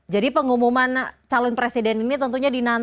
jadi pengumuman calon presiden ini tentunya dinantiin